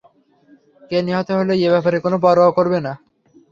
কে নিহত হলো, এ ব্যাপারে কোন পরোয়া করবে না।